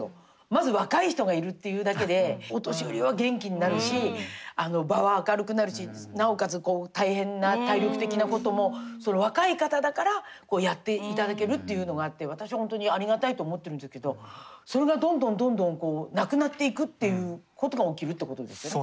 まず若い人がいるっていうだけでお年寄りは元気になるし場は明るくなるしなおかつ大変な体力的なことも若い方だからやっていただけるっていうのがあって私は本当にありがたいと思ってるんだけどそれがどんどんどんどんなくなっていくっていうことが起きるってことですよね。